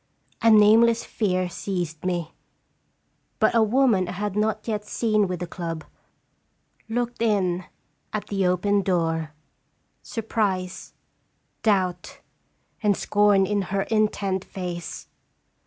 A nameless fear seized me. But a woman I had not yet seen with the club looked in at the open door, sur prise, doubt, and scorn in her intent face.